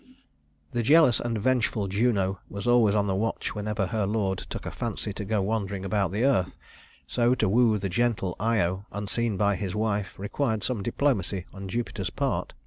The jealous and vengeful Juno was always on the watch whenever her lord took a fancy to go wandering about the earth; so to woo the gentle Io unseen by his wife required some diplomacy on Jupiter's part.